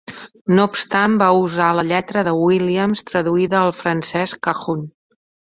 No obstant, van usar la lletra de Williams traduïda al francès cajun.